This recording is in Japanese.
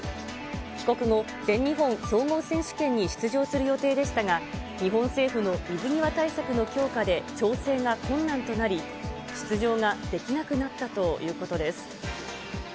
帰国後、全日本総合選手権に出場する予定でしたが、日本政府の水際対策の強化で調整が困難となり、出場ができなくなったということです。